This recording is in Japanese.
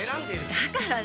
だから何？